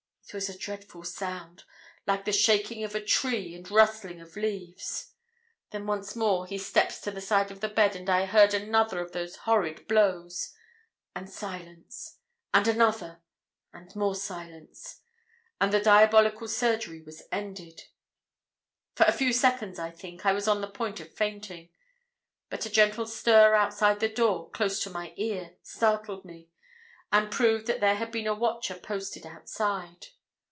It was a dreadful sound, like the shaking of a tree and rustling of leaves. Then once more he steps to the side of the bed, and I heard another of those horrid blows and silence and another and more silence and the diabolical surgery was ended. For a few seconds, I think, I was on the point of fainting; but a gentle stir outside the door, close to my ear, startled me, and proved that there had been a watcher posted outside.